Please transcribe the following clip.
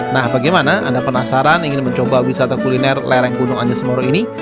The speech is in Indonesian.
nah bagaimana anda penasaran ingin mencoba wisata kuliner lereng gunung anjas moro ini